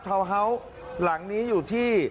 เฮาส์หลังนี้อยู่ที่